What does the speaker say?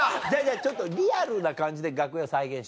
ちょっとリアルな感じで楽屋再現してみ。